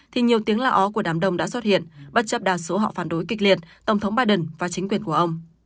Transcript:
thì nhiều tiếng lo ó của đám đông đã xuất hiện bất chấp đa số họ phản đối kịch liệt tổng thống biden và chính quyền của ông